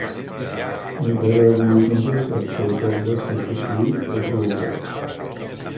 Encara avui no se sap si el foc va ser fortuït o provocat.